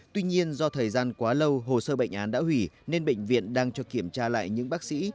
tuy nhiên do thời gian quá lâu hồ sơ bệnh án đã hủy nên bệnh viện đang cho kiểm tra lại những bác sĩ